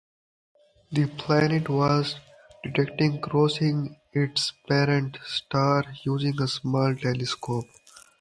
The planet was detected crossing its parent star using a small telescope.